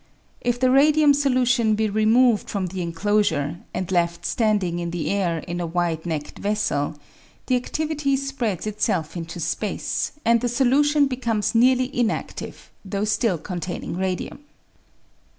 If the radium solution be removed from the enclosure and left standing in the air in a wide necked vessel, the adtivity spreads itself into space, and the solu tion becomes nearly inadtive, though still containing radium.